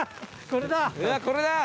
これだ。